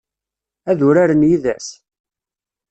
Ad uraren yid-s?